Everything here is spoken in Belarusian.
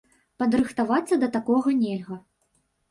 Падрыхтавацца да такога нельга.